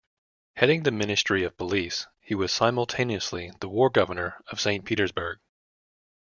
Heading the Ministry of police, he was simultaneously the War Governor of Saint Petersburg.